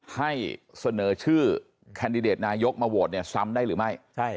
ให้เสนอชื่อแคนดิเดตนายกมาโหวตเนี่ยซ้ำได้หรือไม่